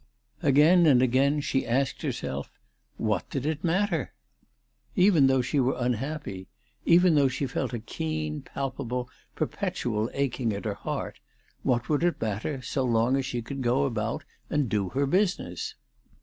Again and again she asked herself, what did it matter ? Even though she were unhappy, even though she felt a keen, palpable, perpetual aching at her heart, what would it 356 ALICE DTJGDALE. matter so long as she could go about and do her busi ness